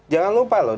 jangan lupa loh